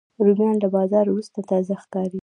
رومیان له باران وروسته تازه ښکاري